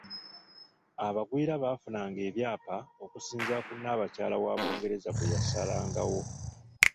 Abagwira baafunanga ebyapa okusinziira ku Nnaabakyala wa Bungereza bwe yasalangawo.